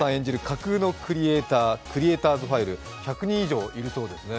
架空のクリエイターズ・ファイル、１００人以上いるそうですね。